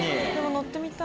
乗ってみたい。